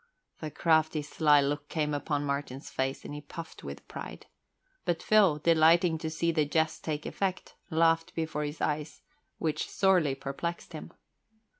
The crafty, sly look came upon Martin's face and he puffed with pride; but Phil, delighting to see the jest take effect, laughed before his eyes, which sorely perplexed him.